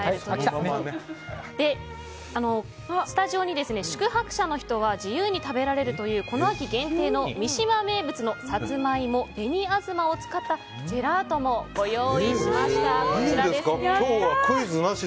スタジオに宿泊者の人は自由に食べられるというこの秋限定、三島名物のサツマイモ、紅あずまを使ったジェラートをご用意しました。